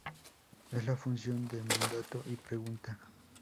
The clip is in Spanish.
Es la función de mandato y pregunta.